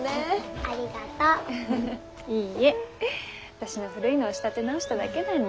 私の古いのを仕立て直しただけだに。